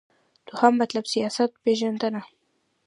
دوهم مطلب : سیاست پیژندنه